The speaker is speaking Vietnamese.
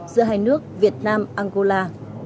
giữa hai nước việt nam angola